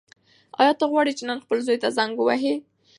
ایا ته غواړې چې نن خپل زوی ته زنګ ووهې؟